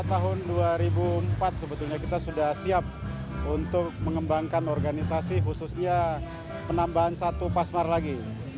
tahun dua ribu empat sebetulnya kita sudah siap untuk mengembangkan organisasi khususnya penambahan satu pasmar lagi